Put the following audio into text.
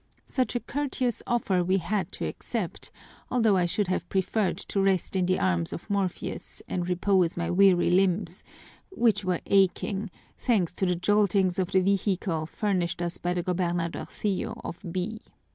Such a courteous offer we had to accept, although I should have preferred to rest in the arms of Morpheus and repose my weary limbs, which were aching, thanks to the joltings of the vehicle furnished us by the gobernadorcillo of B